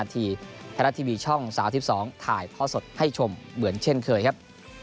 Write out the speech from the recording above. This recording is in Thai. ทะละทีวีช่องสาวที่๒ถ่ายเพราะสดให้ชมเหมือนเช่นเคยครับ